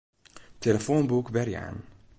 Tillefoanboek werjaan.